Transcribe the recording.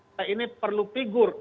oke ini hanya menginginkan bahwa